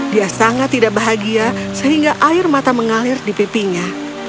dia sangat tidak bahagia sehingga air mata mengalir di pipinya